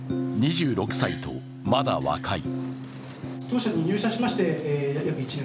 ２６歳と、まだ若い。